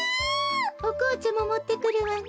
おこうちゃももってくるわね。